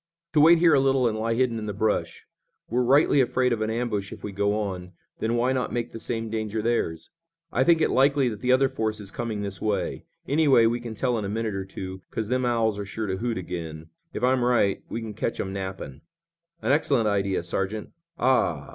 "To wait here a little and lie hidden in the brush. We're rightly afraid of an ambush if we go on, then why not make the same danger theirs? I think it likely that the other force is coming this way. Anyway, we can tell in a minute or two, 'cause them owls are sure to hoot again. If I'm right, we can catch 'em napping." "An excellent idea, Sergeant. Ah!